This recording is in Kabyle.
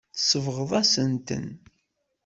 Tsebɣeḍ-asen-ten.